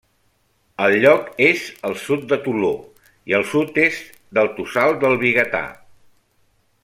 El lloc és al sud de Toló i al sud-est del Tossal del Vigatà.